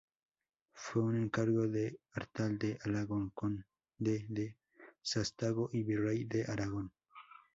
Fue un encargo de Artal de Alagón, Conde de Sástago y Virrey de Aragón.